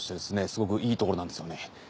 すごくいいところなんですよね。